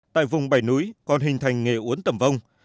tại vùng bảy núi còn hình thành nghề uốn tầm vong